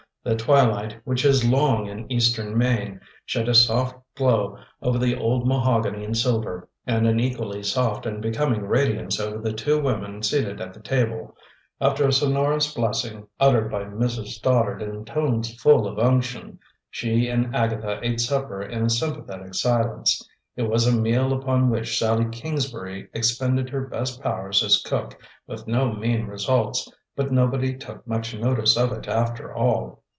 The twilight, which is long in eastern Maine, shed a soft glow over the old mahogany and silver, and an equally soft and becoming radiance over the two women seated at the table. After a sonorous blessing, uttered by Mrs. Stoddard in tones full of unction, she and Agatha ate supper in a sympathetic silence. It was a meal upon which Sallie Kingsbury expended her best powers as cook, with no mean results; but nobody took much notice of it, after all.